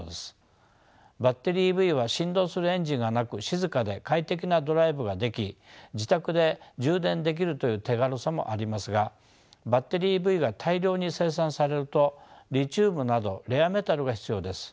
バッテリーＥＶは振動するエンジンがなく静かで快適なドライブができ自宅で充電できるという手軽さもありますがバッテリーＥＶが大量に生産されるとリチウムなどレアメタルが必要です。